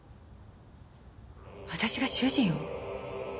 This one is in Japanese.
私が主人を？